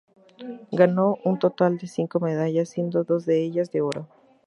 Ganó un total de cinco medallas, siendo dos de ellas de oro.